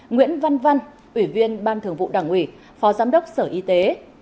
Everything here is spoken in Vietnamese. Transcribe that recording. nguyễn văn văn ủy viên ban thường vụ đảng ủy phó giám đốc sở y tế